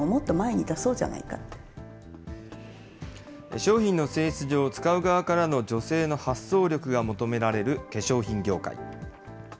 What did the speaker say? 商品の性質上、使う側からの女性の発想力が求められる化粧品業界。